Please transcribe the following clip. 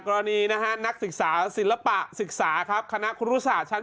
กรณีนะฮะนักศึกษาศิลปะศึกษาครับคณะครูศาสตชั้น